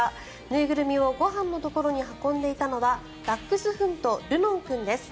縫いぐるみをご飯のところに運んでいたのはダックスフント、るのん君です。